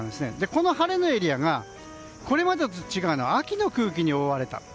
この晴れのエリアがこれまでと違うのは秋の空気に覆われた。